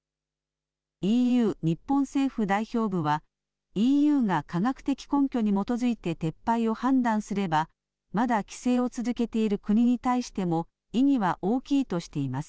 ＥＵ日本政府代表部は、ＥＵが科学的根拠に基づいて撤廃を判断すれば、まだ規制を続けている国に対しても、意義は大きいとしています。